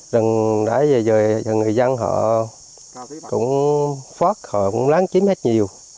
rừng đã về rồi người dân họ cũng phát họ cũng lán chiếm hết nhiều